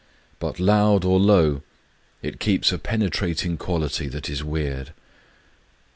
But loud or low, it keeps a penetrating quality that is weird. .